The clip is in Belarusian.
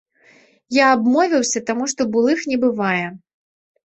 Я абмовіўся, таму што былых не бывае.